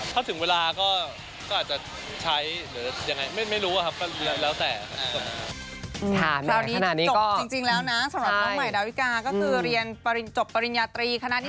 ครับถือโอกาสเป็นแฟนในวันนั้นเลยไง